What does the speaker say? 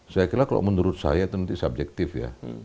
saya kira kalau menurut saya itu nanti subjektif ya